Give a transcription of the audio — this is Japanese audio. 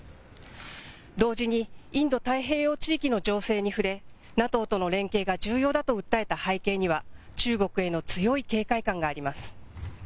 同時にインド太平洋地域の情勢に触れ、ＮＡＴＯとの連携が重要だと訴えた背景には、中国への強い警戒感があります。